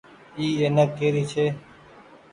اي اينڪ ڪري ڇي۔